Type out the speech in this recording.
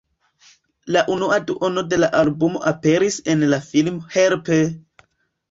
La unua duono de la albumo aperis en la filmo "Help!